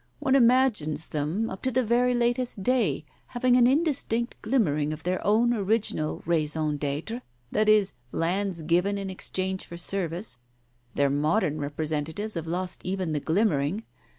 One imagines them, up to the very latest day, having an indistinct glimmering of their own original raison d'etre, that is, lands given in exchange for service. ... Their modern representatives have lost even the glimmering.